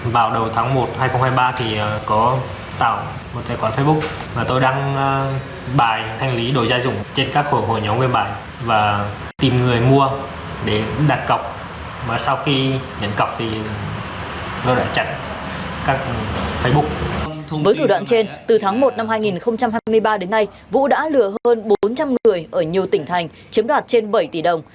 với thủ đoạn trên từ tháng một năm hai nghìn hai mươi ba đến nay vũ đã lừa hơn bốn trăm linh người ở nhiều tỉnh thành chiếm đoạt trên bảy tỷ đồng